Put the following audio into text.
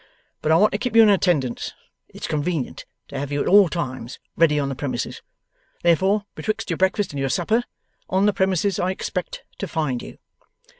But I want to keep you in attendance. It's convenient to have you at all times ready on the premises. Therefore, betwixt your breakfast and your supper, on the premises I expect to find you.